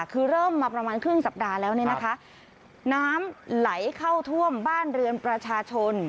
คือเริ่มมาประมาณครึ่งสัปดาห์แล้วเนี่ยนะคะน้ำไหลเข้าท่วมบ้านเรือนประชาชน